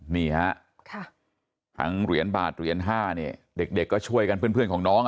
นี่ฮะทั้งเหรียญบาทเหรียญ๕เนี่ยเด็กก็ช่วยกันเพื่อนของน้อง